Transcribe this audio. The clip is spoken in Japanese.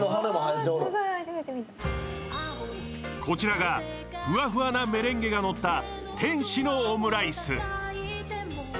こちらがふわふわなメレンゲがのった天使のオムライス。